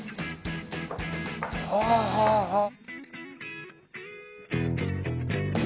はあはあはあ。